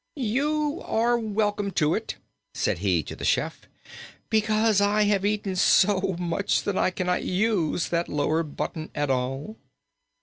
"You are welcome to it," said he to the chef, "because I have eaten so much that I cannot use that lower button at all."